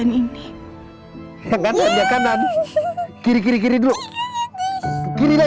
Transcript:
si buruk rupa